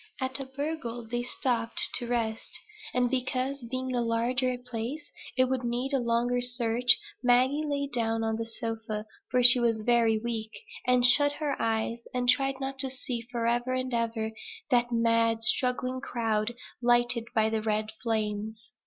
At Abergele they stopped to rest; and because, being a larger place, it would need a longer search, Maggie lay down on the sofa, for she was very weak, and shut her eyes, and tried not to see forever and ever that mad struggling crowd lighted by the red flames.